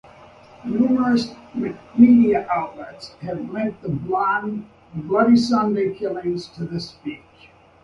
Numerous media outlets have linked the Bloody Sunday killings to this speech.